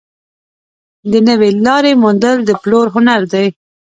د نوې لارې موندل د پلور هنر دی.